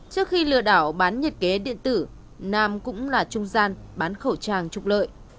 trước khi lừa đảo bán nhiệt kế điện tử nam cũng là trung gian bán khẩu trang trục lợi